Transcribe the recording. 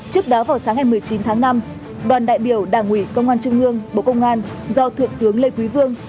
trước đó vào sáng ngày một mươi chín tháng năm đoàn đại biểu đảng ủy công an trung ương bộ công an do thượng tướng lê quý vương